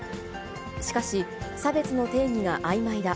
しかし、差別の定義があいまいだ。